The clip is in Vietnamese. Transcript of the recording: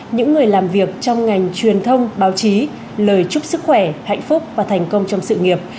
những người làm việc trong ngành truyền thông báo chí lời chúc sức khỏe hạnh phúc và thành công trong sự nghiệp